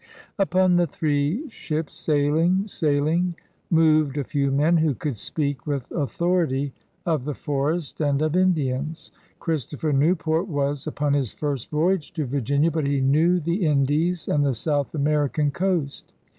Upon the three ships, sailing, sailing, moved a few men who could speak with authority of the forest and of Indians. Christopher Newport was upon his first voyage to Virginia, but he knew the Indies and the South American coast.